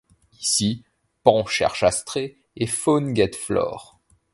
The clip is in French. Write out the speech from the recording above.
Ici, Pan cherche Astrée et Faune guette Flore.